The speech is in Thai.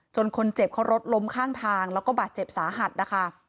คนเจ็บเขารถล้มข้างทางแล้วก็บาดเจ็บสาหัสนะคะ